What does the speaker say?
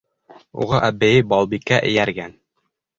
Уға әбейе Балбикә эйәргән.